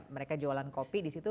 mereka jualan kopi di situ